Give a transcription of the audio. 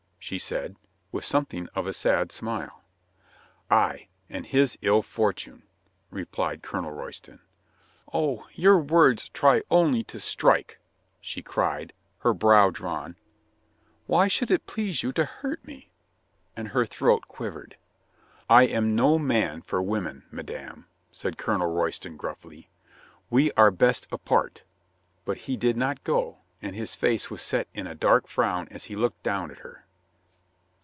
she said, with something of a sad smile. "Ay, and his ill fortune," replied Colonel Roy ston. "Oh, your words try only to strike !" she cried, her COLONEL ROYSTON STAYS BY A LADY 1 19 brow drawn. "Why should it please you to hurt me?" and her throat quivered. "I am no man for women, madame," said Colonel Royston gruffly. "We are best apart," but he did not go, and his face was set in a dark frown as he looked down at her.